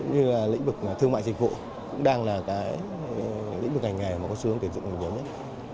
như là lĩnh vực thương mại dịch vụ cũng đang là cái lĩnh vực ngành nghề mà có xu hướng tuyển dụng nhiều nhất